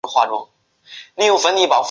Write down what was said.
仙侣县是越南兴安省下辖的一个县。